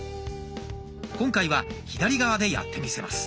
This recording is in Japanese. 今回は左側でやってみせます。